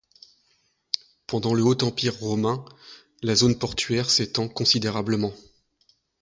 Pendant le Haut Empire romain, la zone portuaire s'étend considérablement.